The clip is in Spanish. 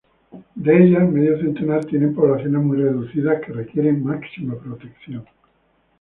De ellas, medio centenar tienen poblaciones muy reducidas que requieren máxima protección.